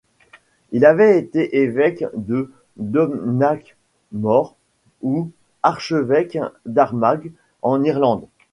Il avait été évêque de Domhnach-Mor ou archevêque d’Armagh en Irlande.